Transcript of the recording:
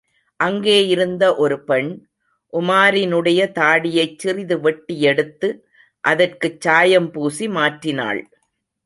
அங்கேயிருந்த ஒருபெண், உமாரினுடைய தாடியைச் சிறிது வெட்டி யெடுத்து அதற்குச் சாயம் பூசி மாற்றினாள்.